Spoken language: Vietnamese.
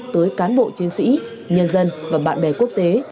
tới cán bộ chiến sĩ nhân dân và bạn bè quốc tế